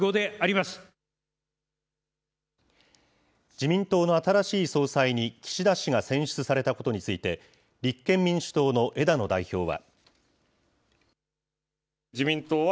自民党の新しい総裁に岸田氏が選出されたことについて、立憲民主党の枝野代表は。